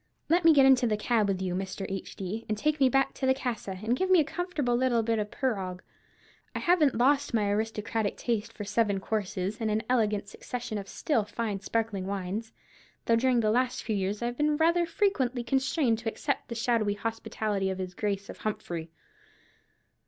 Let me get into the cab with you, Mr. H.D., and take me back to the casa, and give me a comfortable little bit of perrogg. I haven't lost my aristocratic taste for seven courses, and an elegant succession of still fine sparkling wines, though during the last few years I've been rather frequently constrained to accept the shadowy hospitality of his grace of Humphrey.